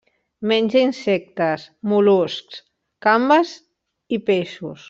Menja insectes, mol·luscs, gambes i peixos.